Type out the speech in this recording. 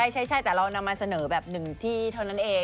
ใช่แต่เรานำมาเสนอแบบหนึ่งที่เท่านั้นเอง